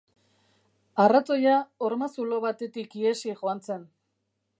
Arratoia horma zulo batetik ihesi joan zen.